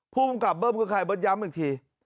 ผู้มกับเบิ้มก็คลายบ๊ดย้ำอีกที